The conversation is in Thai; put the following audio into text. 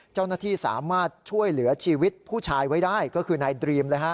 เจ้าหน้าที่สามารถช่วยเหลือชีวิตผู้ชายไว้ได้ก็คือนายดรีม